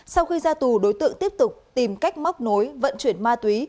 sau khi ra tù đối tượng tiếp tục tìm cách móc nối vận chuyển ma túy